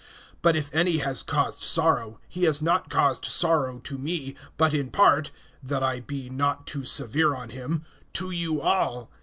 (5)But if any has caused sorrow, he has not caused sorrow to me, but in part (that I be not too severe on him) to you all.